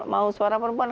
mau suara perempuan